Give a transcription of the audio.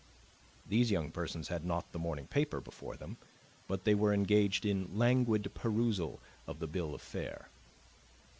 These young persons had not the morning paper before them, but they were engaged in languid perusal of the bill of fare.